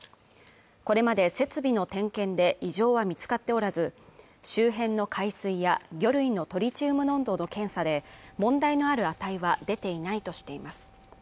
これまで設備の点検で異常は見つかっておらず周辺の海水や魚類のトリチウム濃度の検査で問題のある値は出ていないとしています